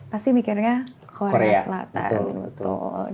pasti mikirnya korea selatan